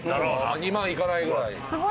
２万いかないぐらい。